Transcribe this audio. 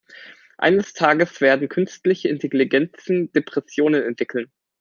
Eines Tages werden künstliche Intelligenzen Depressionen entwickeln.